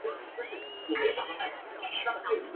短鳍虫鳗为蠕鳗科虫鳗属的鱼类。